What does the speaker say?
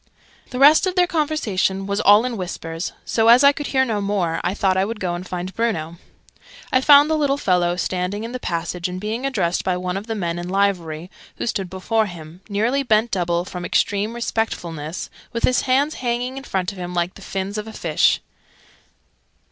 The rest of their conversation was all in whispers: so, as I could hear no more, I thought I would go and find Bruno. I found the little fellow standing in the passage, and being addressed by one of the men in livery, who stood before him, nearly bent double from extreme respectfulness, with his hands hanging in front of him like the fins of a fish.